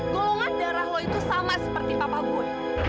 golongan darah lo itu sama seperti papa gue